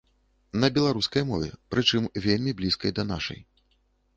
На беларускай мове, прычым вельмі блізкай да нашай.